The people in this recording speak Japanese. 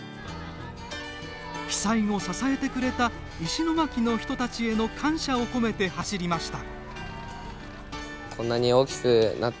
被災後支えてくれた石巻の人たちへの感謝を込めて走りました。